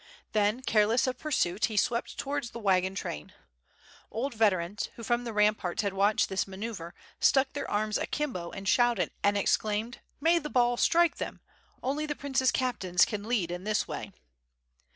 Then careless of pursuit he swept towards the wagon train. Old veterans, who from the ramparts had watched this manoeuvre stuck their arms akimbo and shouted and exclaimed: "May the balls strike them! only the Prince's captains can lead in this way."